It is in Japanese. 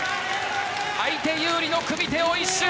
相手、有利の組手を一蹴。